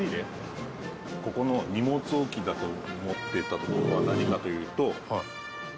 ここの荷物置きだと思ってたところは何かというと。